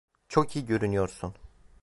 Çok iyi görünüyorsun.